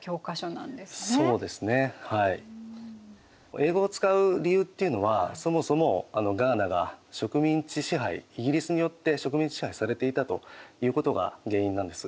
英語を使う理由っていうのはそもそもガーナが植民地支配イギリスによって植民地支配されていたということが原因なんです。